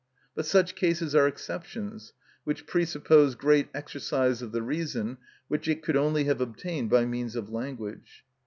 But such cases are exceptions, which presuppose great exercise of the reason, which it could only have obtained by means of language.